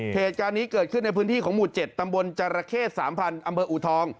เหตุการณ์นี้เกิดขึ้นในพื้นที่ของหมู่๗ตำบลจรเข้๓๐๐อำเภออูทอง